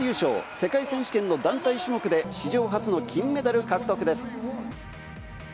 世界選手権の団体種目で史上初の金メダル獲得です。